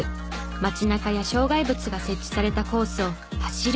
街中や障害物が設置されたコースを走る！